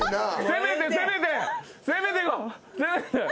攻めて攻めて攻めてよ攻めて。